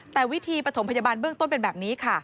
แต่วิธีปฐมพยาบาลเบื้องต้นเป็นแบบนี้ค่ะ